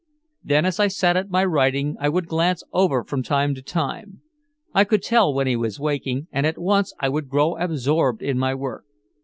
Then as I sat at my writing I would glance over from time to time. I could tell when he was waking, and at once I would grow absorbed in my work.